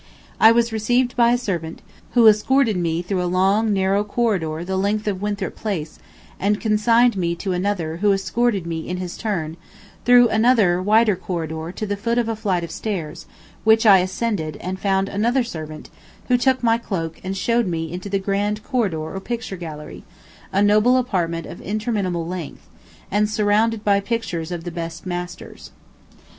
I was received by a servant, who escorted me through a long narrow corridor the length of Winthrop Place and consigned me to another who escorted me in his turn, through another wider corridor to the foot of a flight of stairs which I ascended and found another servant, who took my cloak and showed me into the grand corridor or picture gallery; a noble apartment of interminable length; and surrounded by pictures of the best masters.